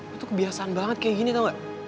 lu tuh kebiasaan banget kayak gini tau gak